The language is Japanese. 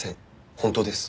本当です。